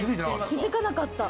気付かなかった。